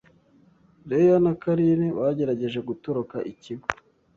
Leya na karine bagerageje gutoroka ikigo